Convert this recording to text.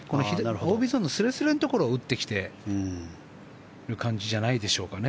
ＯＢゾーンのすれすれのところを打ってきてる感じじゃないでしょうかね。